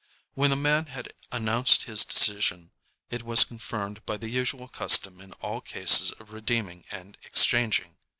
When the man had announced his decision, it was confirmed by the usual custom in all cases of redeeming and exchanging.